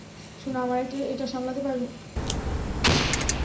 সোনা, আমরা এটা সামলাতে পারব।